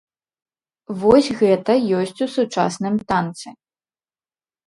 Вось гэта ёсць у сучасным танцы.